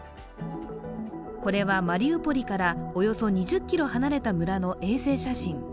これはマリウポリからおよそ２０ｋｍ離れた村の衛星写真。